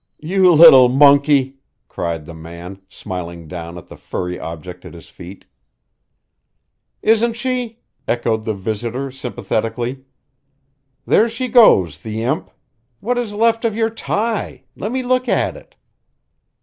"You little monkey!" cried the man, smiling down at the furry object at his feet. "Isn't she!" echoed the visitor sympathetically. "There she goes, the imp! What is left of your tie? Let me look at it."